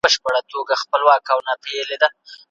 د بریا حق یوازي مستحقو ته نه سي منسوبېدلای.